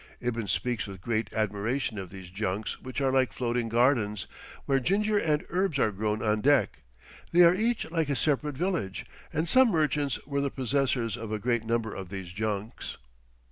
Ibn speaks with great admiration of these junks which are like floating gardens, where ginger and herbs are grown on deck; they are each like a separate village, and some merchants were the possessors of a great number of these junks.